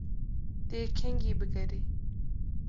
Tu yê kengî bigerî?